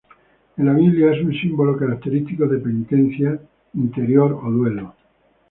En la Biblia es un símbolo característico de penitencia interior o duelo.